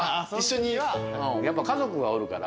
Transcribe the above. やっぱ家族がおるから。